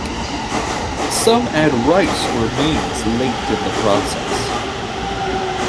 Some add rice or maize late in the process.